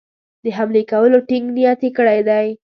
د حملې کولو ټینګ نیت کړی دی.